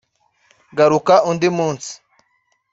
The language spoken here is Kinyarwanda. garuka undi munsi